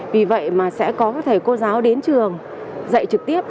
vì vậy mà sẽ có các thầy cô giáo đến trường dạy trực tiếp